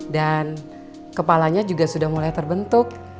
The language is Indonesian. dan kepalanya juga sudah mulai terbentuk